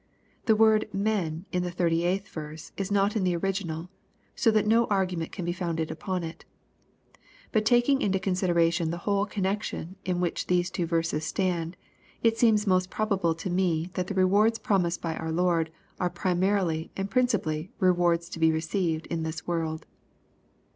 The word " men," in the 38th verse is not in the original, so that no argument can be founded on it But taking into consideration the whole connection in which the two verses stand, it seems most probable to me that the rewards promised by our Lord are primarily and principally rewards to be received in this world.